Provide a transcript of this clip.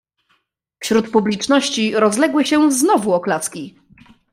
"Wśród publiczności rozległy się znowu oklaski."